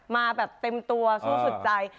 มาแบบเต็มตัวสู้สุดใจ